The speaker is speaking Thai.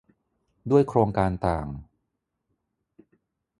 ด้วยโครงการต่าง